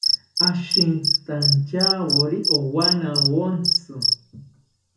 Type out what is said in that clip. Ashintzitantyawori owanawontzi